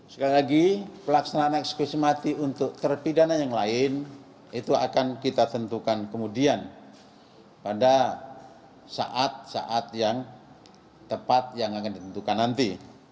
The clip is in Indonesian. sekali lagi pelaksanaan eksekusi mati untuk terpidana yang lain itu akan kita tentukan kemudian pada saat saat yang tepat yang akan ditentukan nanti